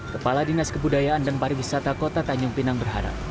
kepala dinas kebudayaan dan pariwisata kota tanjung pinang berharap